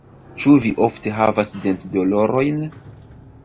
Ĉu vi ofte havas dentdolorojn?